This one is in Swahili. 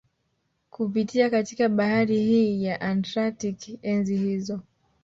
Kupitia katika bahari hii ya Atlantik enzi hizo